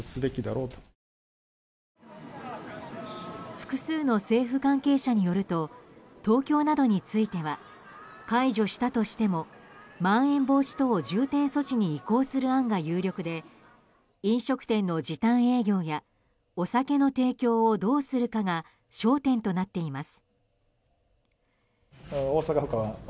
複数の政府関係者によると東京などについては解除したとしてもまん延防止等重点措置に移行する案が有力で飲食店の時短営業やお酒の提供をどうするかが焦点となっています。